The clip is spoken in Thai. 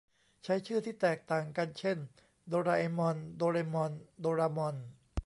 ใช้ชื่อที่แตกต่างกันเช่น โดราเอมอน โดเรมอน โดรามอน